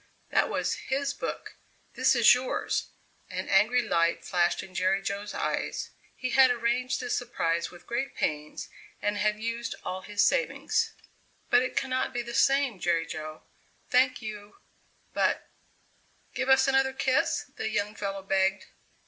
"That was his book; this is yours." An angry light flashed in Jerry Jo's eyes. He had arranged this surprise with great pains and had used all his savings. "But it cannot be the same, Jerry Jo. Thank you but " "Give us another kiss?" The young fellow begged.